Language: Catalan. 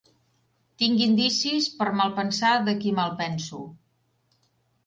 Tinc indicis per malpensar de qui malpenso.